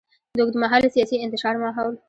د اوږدمهاله سیاسي انتشار ماحول.